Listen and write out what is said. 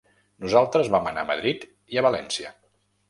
Nosaltres vam anar a Madrid i a València.